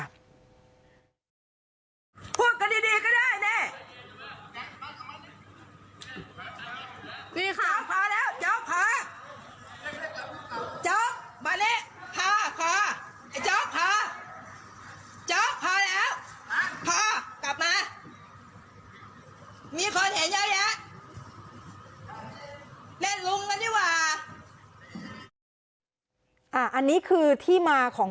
อันนี้คือที่มาของ